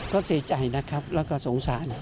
ก็เสียใจนะครับแล้วก็สงสาร